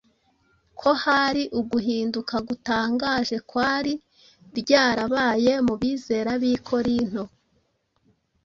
ko hari uguhinduka gutangaje kwari ryarabaye mu bizera b’i Korinto.